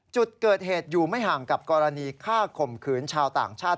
จุดเกิดเหตุอยู่ไม่ห่างกับกรณีฆ่าข่มขืนชาวต่างชาติ